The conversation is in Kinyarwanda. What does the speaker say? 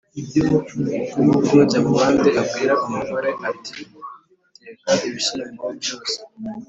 ” kuva ubwo jyamubandi abwira umugore ati “teka ibishyimbo byose